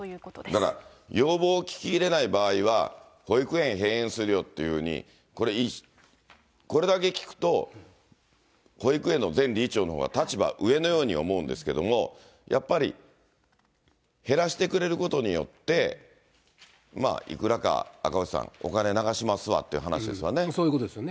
だから要望を聞き入れない場合は、保育園閉園するよっていうふうに、これだけ聞くと、保育園の前理事長のほうが立場、上のように思うんですけれども、やっぱり、減らしてくれることによって、いくらか赤星さん、そういうことですよね。